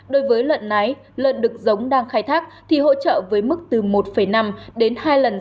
đối với lợn nái lợn đực giống đang khai thác thì hỗ trợ với mức từ một năm đến hai lần